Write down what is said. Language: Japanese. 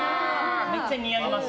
めっちゃ似合います。